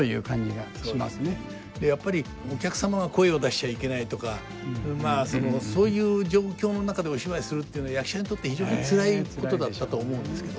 やっぱりお客様が声を出しちゃいけないとかまあそういう状況の中でお芝居するっていうのは役者にとって非常につらいことだったと思うんですけど。